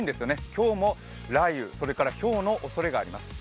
今日も雷雨、それからひょうのおそれがあります。